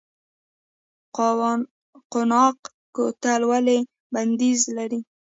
قوناق کوتل ولې بندیز لري؟